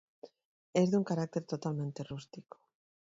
Es de un carácter totalmente rústico.